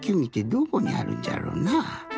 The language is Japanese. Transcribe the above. どこにあるんじゃろうなあ。